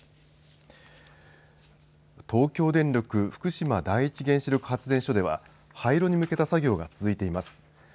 東京電力福島第一原子力発電所では廃炉に向けた作業が続いています。